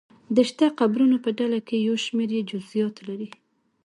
د شته قبرونو په ډله کې یو شمېر یې جزییات لري.